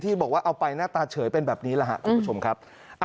ที่บอกว่าเอาไปหน้าตาเฉยเป็นแบบนี้คุณผู้ชมครับ